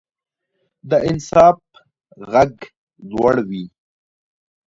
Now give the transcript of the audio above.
د انصاف غږ لوړ وي